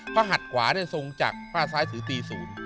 หัดขวาทรงจากพระซ้ายถือตีศูนย์